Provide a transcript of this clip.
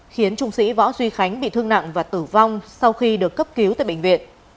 khiến trung sĩ võ duy khánh bị thương nặng và tử vong sau khi được cấp cứu tại bệnh viện